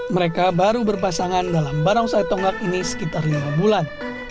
mereka baru berpasangan dalam barongsai tonggak ini sekitar lima bulan